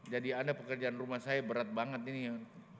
jadi ada pekerjaan rumah saya berat banget ini ya